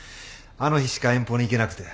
あの日しか遠方に行けなくて。